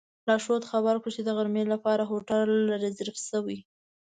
لارښود خبر کړو چې د غرمې لپاره هوټل ریزرف شوی.